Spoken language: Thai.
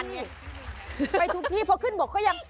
ตรงไปทุกที่เพราะขึ้นบกก็ยัง